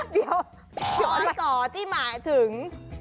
เดี๋ยวพอศที่มาถึง